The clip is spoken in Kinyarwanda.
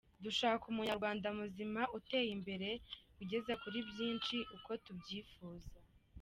Dushaka umunyarwanda muzima uteye imbere, wigeza kuri byinshi uko tubyifuza.”